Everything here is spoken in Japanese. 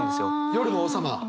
夜の王様。